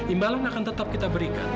imbalan akan tetap kita berikan